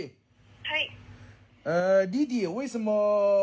はい。